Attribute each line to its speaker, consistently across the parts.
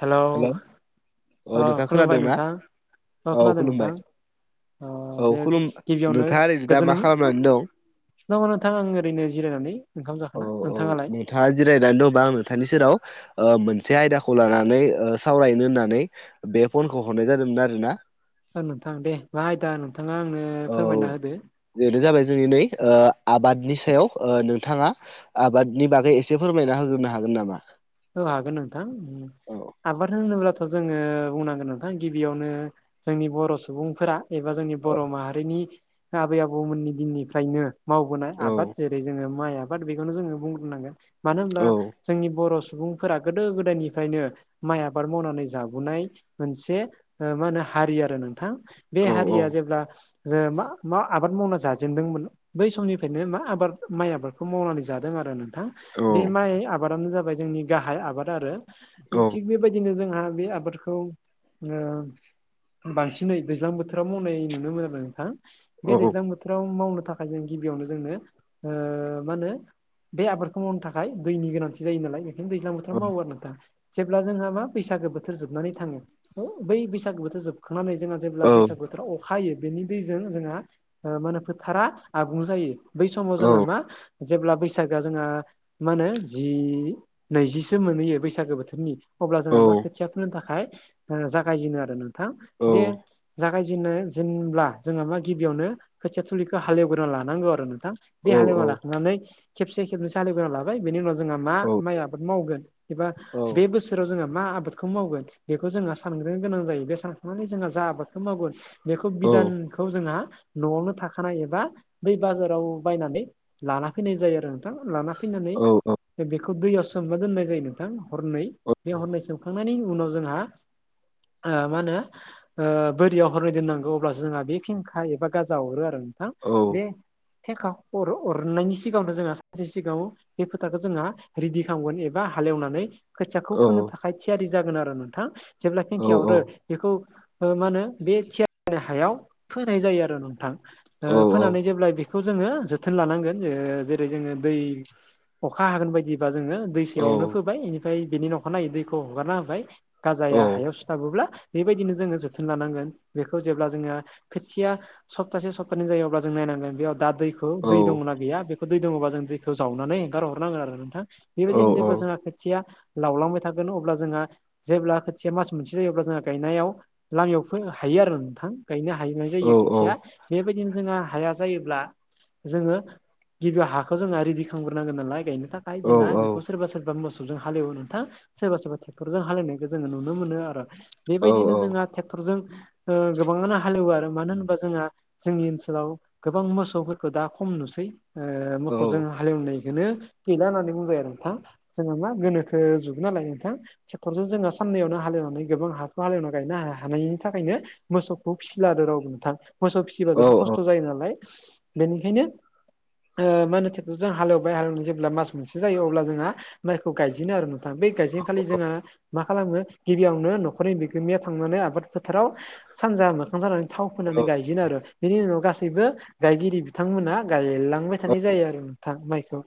Speaker 1: Hello
Speaker 2: हेल' अ
Speaker 1: अ
Speaker 2: नोंथां
Speaker 1: खुलुमबाय
Speaker 2: खोनादोंना
Speaker 1: नोंथां अ
Speaker 2: औ
Speaker 1: खोनादों नोंथां
Speaker 2: खुलुमबाय
Speaker 1: अ
Speaker 2: औ
Speaker 1: दे
Speaker 2: खुलुम
Speaker 1: गिबियावनो
Speaker 2: नोंथाङा ओरैनो दा मा
Speaker 1: गोजोन
Speaker 2: खालामनानै दं
Speaker 1: औ नोंथां आं ओरैनो जिरायनानै ओंखाम जाखोना नोंथाङालाय
Speaker 2: थाङा जिरायनानै दंबा आं नोंथांनि सेराव ओ मोनसे आयदाखौ लानानै सावरायनो होननानै बे फनखौ हरनाय जादोंमोन आरो ना
Speaker 1: औ नोंथां दे मा आयदा नोंथाङा आंनो
Speaker 2: औ
Speaker 1: फोरमायना होदो
Speaker 2: बेनो जाबाय जोंनि नै ओ आबादनि सायाव नोंथाङा आबादनि बागै एसे फोरमायना होग्रोनो हागोन नामा
Speaker 1: औ हागोन नोंथां
Speaker 2: औ
Speaker 1: आबाद होनोब्लाथ' जोङो बुंनांगोन नोंथां गिबियावनो जोंनि बर' सुबुंफोरा एबा जोंनि बर' माहारिनि आबै आबौमोननि दिननिफ्रायनो मावबोनाय
Speaker 2: औ
Speaker 1: आबाद जेरै जोङो माइ आबाद बेखौनो जोङो बुंनांगोन मानो होनब्ला
Speaker 2: औ
Speaker 1: जोंनि बर' सुबुंफोरा गोदो गोदायनिफ्रायनो माइ आबाद मावनानै जाबोनाय मोनसे ओ मा होनो हारि आरो नोंथां बे
Speaker 2: औ
Speaker 1: हारिया जेब्ला जेन'बा मा आबाद मावना जाजेनदोंमोन बै समनिफ्रायनो मा आबाद माइ आबादखौ मावनानै जादों आरो नोंथां
Speaker 2: औ
Speaker 1: बे माइ आबादानो जाबाय जोंनि गाहाय आबाद आरो
Speaker 2: औ
Speaker 1: थिग बेबायदिनो जोंहा बे आबादखौ ओ बांसिनै दैज्लां बोथोराव मावनाय नुनो मोन आरो नोंथां बे
Speaker 2: औ
Speaker 1: दैज्लां बो थोराव मावनो थाखाय जों गिबियावनो जोंनो ओ मा होनो बे आबादखौ मावनो थाखाय दैनि गोनांथि जायो नालाय बेखायनो दैज्लां बोथोराव मावो आरो नोंथां जेब्ला जोंहा मा बैसागो बोथोर जोबनानै थाङो बै बैसागो बोथोर जोबखांनानै जोङो जेब्ला बैसाग बोथोराव अखा हायो बेनि दैजों जोंहा मा होनो फोथारा आबुं जायो बै समाव
Speaker 2: औ
Speaker 1: जोंहा मा जेब्ला बैसागोआ जोंहा मा होनो जि नैजिसो मोनहैयो बैसागो बोथोरनि अब्ला जोंहा मा खोथिया फोनो थाखाय ओ जागायजेनो आरो नों थां
Speaker 2: औ
Speaker 1: बे जा रायजेननाय जेनब्ला जोंहा मा गिबियावनो खोथिया थिलिखौ हालेवग्रोना लानांगौ आरो नोंथां बे हालेवना लाखांनानै खेबसे खेबनैसो हालेवग्रोना लाबाय बेनि उनाव जोंहा मा माइ आबाद मावगोन एबा
Speaker 2: औ
Speaker 1: बे बो थोराव जोङो मा आबादखौ मावगोन बेखौ जोंहा सानग्रोनो गोनां जायो बे सानखांनानै जोंहा जा आबादखौ मावगोन बेखौ
Speaker 2: औ
Speaker 1: बिदानखौ जोंहा न'आवनो थाखानाय एबा बै बाजाराव बायनानै लाना फैनाय जायो आरो नोंथां लाना
Speaker 2: औ
Speaker 1: फैनानै बेखौ दैयाव सोमना दोननाय जायो नोंथां हरनै बे हरनै सोम खांनायनि उनाव जोंहा ओ मा होनो ओ बोरियाव हरनै दोननांगौ अब्लासो जोंहा बेखेंखा एबा गाजा हरो आरो नोंथां
Speaker 2: औ
Speaker 1: बे फेखा अरनायनि सिगाङनो जोंहा सानसे सिगाङ बे फोथारखौ जोंहा रेडि खालामगोन एबा हाल एवनानै खोथियाखौ फोनो थाखाय थियारि जागोन आरो नोंथां जेब्ला फेंखाया हरो बेखौ मा होनो बे थियारनि हायाव फोनाय जायो आरो नोंथां ओ फोनानै जेब्ला बे खौ जोङो जोथोन लानांगोन ज जेरै जोङो दै अखा हागोन बायदिबा जोङो दै सेयावनो फोबाय बेनिफ्राय बेनि न अखानायै दैखौ हगारना होबाय गाजाया हायाव सु थाबोब्ला बेबायदिनो जोङो जोथोन लानांगोन बेखौ जेब्ला जोङो खोथिया सप्तासे स्तानि जायोब्ला जों नायनांगोन बेयाव दा दैखौ दै दङना गैया बेखौ दै दङबा जों दैखौ जावनानै हंगारहरनांगोन आरो नोंथां बेबायदिनो जेब्ला जोंहा खोथिया लावलांबाय थागोन अब्ला जोंहा जेब्ला खोथिया मास मोनसे जायो अब्ला जोंहा गायनायाव लामायाव हायो आरो नोंथां गायनो हायैनाय जायो खोथिया बेबायदिनो जोंहा हाया जायोब्ला जोङो गिबियाव हाखौ जोङा रेडि खालामग्रोनांगोन नालाय गायनो थाखाय जोंहा बेखौ सोरबा सोरबा मोसौ हाल एवो नोंथां सोरबा सोरबा ट्रेक्टरजों हाल एवनायखौ जोङो नुनो मोनो आरो बेबायदिनो जोंहा ट्रेक्टरजों गोबाङानो हालेवो आरो मानो होनोबा जोंहा जोंनि ओनसोलाव गोबां मोसौफोरखौ दा खम नुसै मोखौ जों हाल एवनायखौनो गैला होननानै बुंजायो आरो नोंथां जोंना मा गोनोखो जुग नालाय नोंथां ट्रेक्टरजों जोङो साननैआवनो हालेवनानै गोबां हाखौ हालेवनानै गायनो हानायनि थाखायनो मोसौखौ फिसिला आरो रावबो नोंथां मोसौ फिसिबा जोबोर खस्थ' जायो नालाय बेनिखायनो मा होनो ट्रेक्टरजों हालेवबाय हालेव जोब जेब्ला मास मोनसे जायो अब्ला जोंहा माइखौ गायजेनो आरो नोंथां बे गायजेनखालि जोंहा मा खालामो गिबियावनो न'खरनि बिगोमाया थांनानै आबाद फोथाराव सानजा मोखां जानानै थाव फोनानै गायजनो आरो बेनि उनाव गासैबो गायगिरि बिथांमोना गायलांबाय थानाय जायो आरो नोंथां माइखौ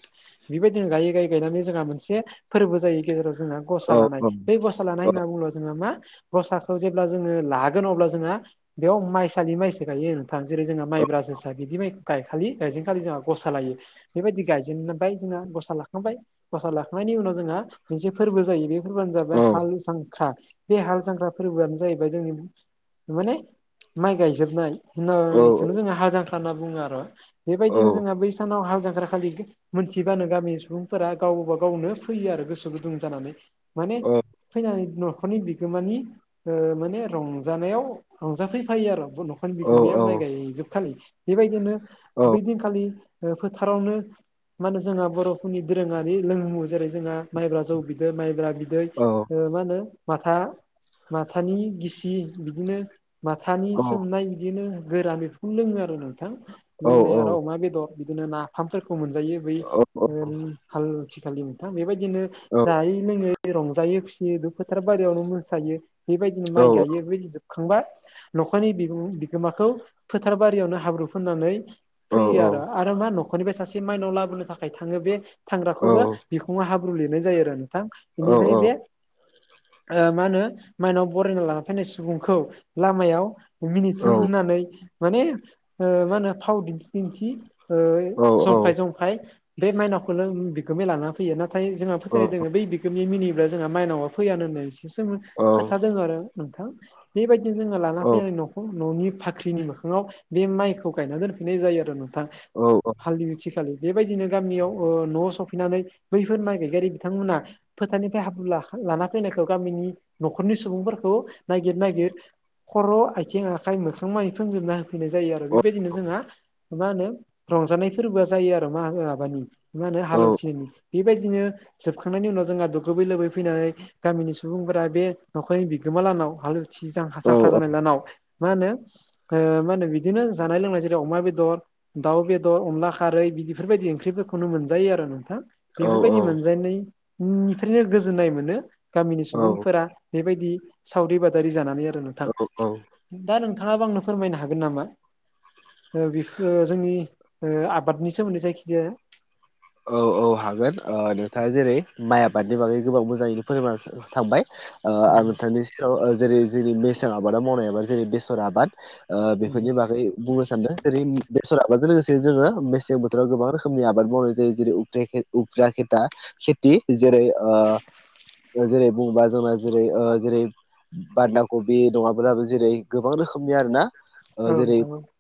Speaker 1: बेबायदिनो गायै गायै गायनानै जोंहा मोनसे फोरबो जायो गेजेराव जोंहा गसा लानाय बे गसा ला नाय होनना बुङोब्ला जोङा मा गसाखौ जेब्ला जोङो लागोन अब्ला जोहा बेयाव माइसालि माइसो गायो आरो थां जेरै जोंहा माइब्रा जोसा बिदि गायखालि गायजेनखालि जोंहा गसा लायो बेबायदि गायजेन ओमफ्राय जोंहा गसा लाखांबाय गसा लाखांनायनि उनाव जोंहा मोनसे फोरबो जायो बे फोरबोयानो जाबाय हाल जांख्रा बे हाल जाख्रा फोरबोआनो जाहैबाय जोंनि माने माइ गायजोबनाय होननाय बेखौनो जोङो हाल जांख्रा होनना बुङो आरो बेबायदिनो जोंहा बै सानाव हाल जांख्रा खालि मोनथिबानो गामिनि सुबुंफोरा गावबा गावनो फैयो आरो गोसो गुदुं जानानै माने फैनानै न'खरनि बिगोमानि माने रंजानायाव रंजाफैफायो आरो न'खनि बिगोमाया माइ गायजोबखालि बेबायदिनो बै दिनखालि फोथारावनो मा होनो जोंहा बर'फोरनि दोरोङारि लोंमु जेरै जोंहा माइब्रा जौ बिदै माइब्रा बिदै मा होनो माथा माथानि गिसि बिदिनो माथानि सोमनाय बिदिनो गोरान बेखौ लोङो आरो नोंथां लोंनाय आरो अमा बेदर बिदिनो नाफामफोरखौ मोनजायो बै हाल उथि खालि नोंथां बेबायदिनो जायै लोङै रंजायो खुसियै बे फोथार बारियावनो मोसायो बेबायदिनो माइ गायो बेबायदि जोबखांबा न'खरनि बिगोमाखौ फोथार बारियावनो हाब्रु फोननानै फैयो आरो आरो मा न'खरनिफ्राय सासे माइनाव लाबोनो थाखाय थाङो बे थांग्राखौबो बिखुङाव हाब्रु लिरनाय जायो आरो नोंथां बेनिखायनो बे मा होनो माइनाव बरायना लाना फैनाय सुबुंखौ लामायाव मिनिथों होननानै माने मा होनो फाव दिन्थि दिन्थि जंखाय जंखाय बे माइनावखौनो बिगोमाया लाना फैयो नाथाय जोंहा फोथायनाय दङ बै बिगोमाया मिनियोब्ला जोंहा माइनावा फैयानो होननाय खोथा दङ आरो नोंथां बेबायदिनो जोंङो लाना फैनानै न'खौ न'नि फाख्रिनि मोखाङाव बे माइखौ गायना दोनफैनाय जायो आरो नोंथां हालि उथिखालि बेबायदिनो गामियाव न'आव सफैनानै बैफोर माइ गायारि बिथांमोना फोथारनिफ्राय हाब्रु ला लाना फैनायखौ गामिनि न'खरनि सुबुंफोरखौ नायगिर नायगिर खर' आथिं आखाइ मोखां मानि फोनजोबना होफैनाय जायो आरो बेबायदिनो जोंहा मा होनो रंजानाय फोरबोआ जायो आरो मा माबानि मा होनो हाल उथिनायनि बेबायदिनो जोबखांनायनि उनाव जोंहा दुगो लोबै फैनानै गामिनि सुबुंफोरा बे न'खरनि बिगोमालानाव हाल जांख्रा जानाय लाहानाव मा होनो मा होनो बिदिनो जानाय लोंनाय जेरै अमा बेदर दाउ बेदर थ अनला खारै बिदिफोरबायदि ओंख्रिफोरखौनो मोनजायो आरो नोंथां बेफोरबायदि मोनजनायनिफ्रायनो गोजोननाय मोनो गामिनि सुबुंफोरा बेबायदि सावरि बादारि जानानै आरो नोंथां
Speaker 2: औ
Speaker 1: दा नोंथांङाबो आंनो फोरमायनो हागोन नामा बेफोर जोंनि ओ आबादनि सोमोनदै जायखिजाया
Speaker 2: औ औ हागोन नोंथांङा जेरै माइ आबादनि बागै गोबां मोजांङैनो फोरों थांबाय
Speaker 1: औ
Speaker 2: आं नोंथांनि सायाव जेरै जोंनि मेसें आबादाव मावनायाबा जेरै बेसर आबाद ओ
Speaker 1: नोंथां
Speaker 2: बेफोरनि बागै बुंनो सानदों जेरै बेसर आबादजों लोगोसे जोंङो मेसें बोथोराव गोबां रोखोमनि आबाद मावनाय जायो जेरै उग्रा खेथा खेथि जेरै जेरै बुंबा जोंना जेरै जेरै बानदा कबि नङाब्लाबो जेरै गोबां रोखोमनि आर ना
Speaker 1: औ
Speaker 2: ओ जेरै
Speaker 1: नोंथां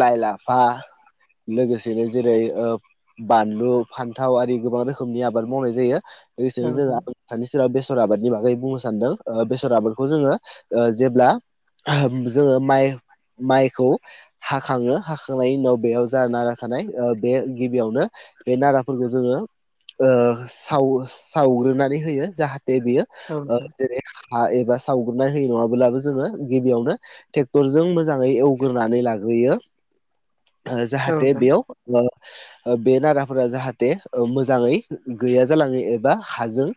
Speaker 2: लाइ लाफा लोगोसेनो जेरै बानलु फानथाव आरि गोबां रोखोमनि आबाद मावनाय जायो लोगोसेनो जों नोंथांनि सेराव बेसर आबादनि बागै बुंनो सानदों बेसर आबादखौ जोंङो जेब्ला जोंङो माइ माइखौ हाखांङो हाखांनायनि उनाव बेयाव जा नारा थानाय बे गिबियावनो बे नाराफोरखौ जोंङो ओ साव सावग्रोनानै होयो। जाहाथे बेयो
Speaker 1: औ
Speaker 2: ओ
Speaker 1: नोंथां
Speaker 2: जेरै हा एबा सावगुरनाय होयो नंङाब्लाबो जोंङो गिबियावनो ट्रेक्टरजों मोजांङै एवग्रोनानै लाग्रोयो। ओ
Speaker 1: औ
Speaker 2: जाहाथे
Speaker 1: नोंथां
Speaker 2: बेयाव बे नारा फोरा जाहाथे मोजांङै गैया जालाङो एबा हाजों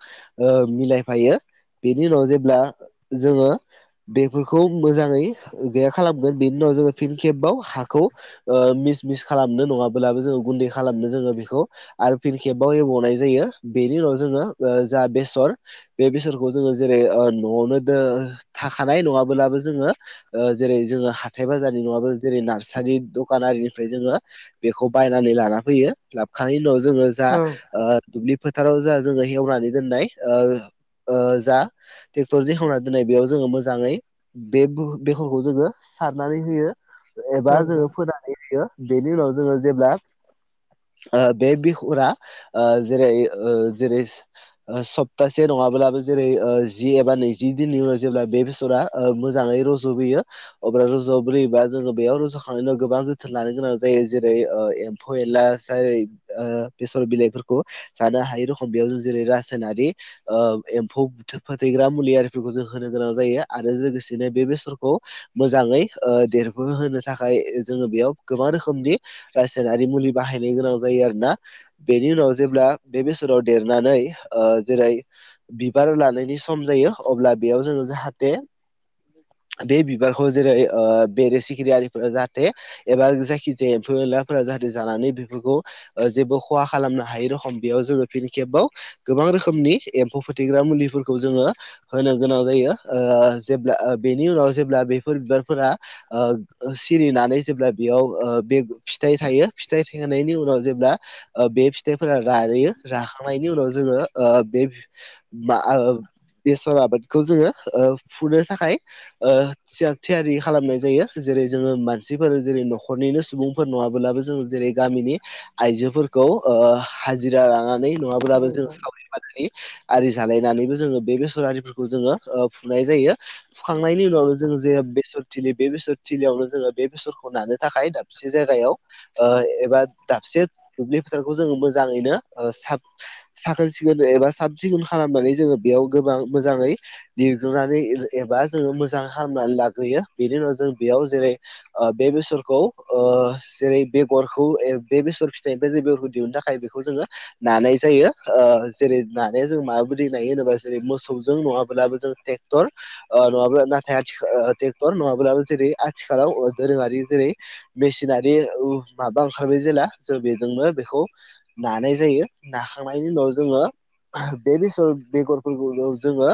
Speaker 2: ओ‌ मिलायफायो बेनि उनाव जेब्ला जोंङो बेफोरखौ मोजांङै गैया खालामगोन बेनि उनाव जोंङो फिन केमबाव हाखौ ओ मिस मिस खालामनो नंङाब्लाबो जोंङो गुनदै खालामनो जोंङो बे ओ आरो फिन खेबाव एबनाय जायो बेनि उनाव जोंङो जा बेसर बे बेसोरखौ जोंङो जेरै न'आवनो दो थाखानाय नङाब्लाबो जोंङो ओ जेरै जोंङो हाथाय बाजारनि नंङाबो जेरै नार्सारि दखानारिनिफ्राय जोंङो बेखौ बायनानै लाना फैयो लाबखांनायनि उनाव जोंङो जा
Speaker 1: औ औ नोंथां
Speaker 2: ओ दुब्लि फोथाराव जा जोंङो एवनानै दोननाय जा ट्रेक्टरजों एवना दोननाय बेयाव जोंङो मोजांङै बे बेरखौ जोंङो सारनानै होयो
Speaker 1: औ
Speaker 2: एबा
Speaker 1: नोंथां
Speaker 2: जोंङो फोनानै होयो बेनि उनाव जोंङो जेब्ला बे बिगुरा जेरै जेरै सप्तासे नंङाब्लाबो जेरै जि एबा नैजि दिननि उनाव जेब्ला बे बेसरा मोजांङै रज'बोयो अब्ला रजबोयोबा जोङो बेयाव रजखांनायनि उनाव गोबां जोथोन लानो गोनां जायो जेरै एमफौ एनला जेरै ओ बेसर बिलाइफोरखौ जानो हायै रखम बेयाव जों जेरै रासायनारि ओ एमफौ फोथैग्रा मुलि आरिफोरखौ जों होनो गोनां जायो आरो लोगोसेनो बे बेसरखौ मोजाङै ओ देरबोहोनो थाखाय जोङो बेयाव गोबां रोखोमनि रासायनारि मुलि बाहाय नो गोनां जायो आरोना बेनि उनाव जेब्ला बे बेसरा देरनानै ओ जेरै बिबार लानायनि सम जायो अब्ला बेयाव जोङो जाहाथे बे बिबारखौ जेरै ओ बेरे सिखिरियारिफोरा जाहाथे एबा जायखि जाया फोलाफोरा जाहाथे जानानै जेबो खहा खालामनो हायै रखम बेयाव जोङो फिन खेबाव गोबां रोखोमनि एमफौ फोथैग्रा मुलिफोरखौ जोङो होनो गोनां जायो ओ जेब्ला बेनि उनाव जेब्ला बेफोर बिबारफोरा ओ सिरिनानै जेब्ला बेयाव ओ बे फिथाइ थायो फिथाइ थायनायनि उनाव जेब्ला ओ बे फिथाइफोरा रायो राखांनायनि उनाव जोङो ओ बे बा ओ बेसर आबादखौ जोङो ओ फुनो थाखाय ओ थाग थियारि खालामनाय जायो जेरै जोङो मानसिफोर जेरै न'खरनिनो सुबुंफोर नङाबोलाबो जोङो जेरै गामिनि आइजोफोरखौ ओ हाजिरा लानानै नङाब्लाबो जों सावरि सावरि आरि जालायनानैबो जोङो बे बेसर आरिफोरखौ जोङो ओ फुनाय जायो फुखांनायनि उनावनो जोङो जे बेसरथिलि बे बेसर थलियावनो जोङो बे बेसरखौ नानो थाखाय दा बसे जायगायाव ओ ए बा दाबसे दुब्लि फोथारखौ जोङो मोजाङैनो ओ साब साखोन सिखोन एबा साब सिखोन खालामनानै जोङो बेयाव गोबां मोजाङै लिरग्रोनानै एबा जोङो मोजां खालामनानै लाग्रोयो बेनि उनाव जों बेयाव जेरै ओ बे बेसरखौ ओ जेरै बेगर खौ ए बे बेसर फिथाइनिफ्राय बेगरखौ दिहुननो थाखाय बेखौ जोङो नानाय जायो ओ जेरै नानाया जों माबायदि नायो होनोबा जेरै मोसौजों नङाब्लाबो जों टेकक्टर ओ नङाब्लाबो नाथाय आथिखा टेकक्टर जेरै आ थिखालाव ओ दोरोङारि जेरै मेसिनारि उ माबा ओंखारबाय जेला जों बेजोंनो बेखौ नानाय जायो नाखांनायनि उनाव जोङो बे बेसर बेगरफोरखौनो जोङो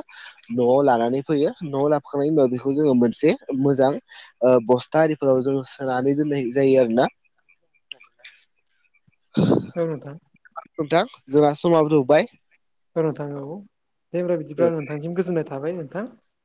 Speaker 2: न'आव लानानै फैयो न'आव लाफखांनायनि उनाव बेखौ जोङो मोनसे मोजां ओ बस्था आरिफोराव जोङो सोनानै दोननाय जायो आरोना
Speaker 1: औ नोंथां
Speaker 2: नोंथां जोङा समाबो थौबाय
Speaker 1: औ नोंथां औ दे होनबा
Speaker 2: ओ
Speaker 1: बिदिब्ला नोंथांसिम गोजोननाय थाबाय नोंथां